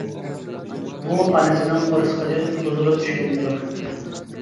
ۋۇ ئانىسىنىڭ قورسىقىدىن بۇزۇلۇپ چۈشكەن جالاپ!